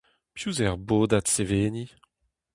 Piv zo er bodad seveniñ ?